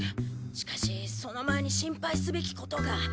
しかしその前に心配すべきことが。